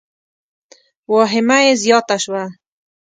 واهمه یې زیاته شوه.